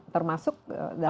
termasuk dalam partner